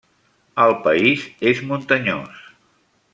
El país és muntanyós.